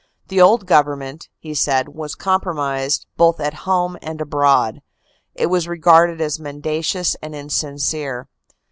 The old Government, he said, was compromised both AFTER THE BATTLE 281 at home and abroad; it was regarded as mendacious and insin cere.